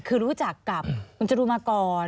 คือรู้จักกับคุณจรูนมาก่อน